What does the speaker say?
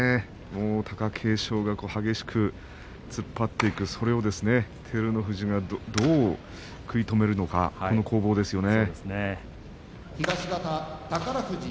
貴景勝が激しく突っ張っていくそれを照ノ富士がどうやって食い止めるのかその攻防ですよね。